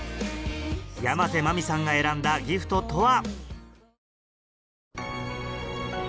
山瀬まみさんが選んだギフトとは？